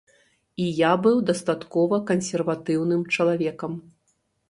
І я быў дастаткова кансерватыўным чалавекам.